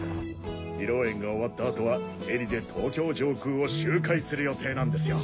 披露宴が終わった後はヘリで東京上空を周回する予定なんですよ。